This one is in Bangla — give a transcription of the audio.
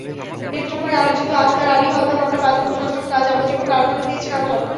নেত্রকোনায় আলোচিত আখতার আলী হত্যা মামলায় পাঁচজনকে সশ্রম যাবজ্জীবন কারাদণ্ড দিয়েছেন আদালত।